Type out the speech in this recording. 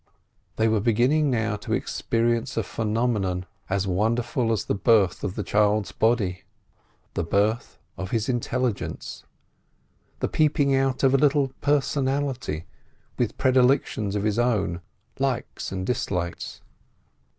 They were beginning now to experience a phenomenon, as wonderful as the birth of the child's body—the birth of his intelligence: the peeping out of a little personality with predilections of its own, likes and dislikes.